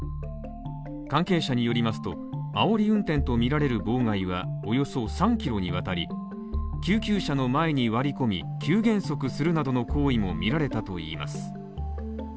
関係者によりますと、あおり運転とみられる妨害はおよそ３ｋｍにわたり救急車の前に割り込み、急減速するなどの行為もみられたといいます。